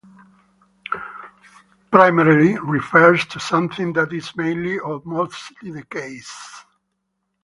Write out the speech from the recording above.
Primarily refers to something that is mainly or mostly the case.